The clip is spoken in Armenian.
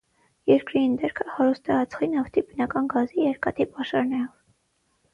Երկրի ընդերքը հարուստ է ածխի, նավթի, բնական գազի, երկաթի պաշարներով։